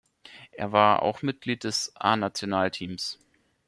Er war auch Mitglied des A-Nationalteams.